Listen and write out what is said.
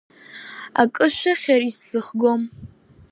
Акы шәыхьыр исзыхгом…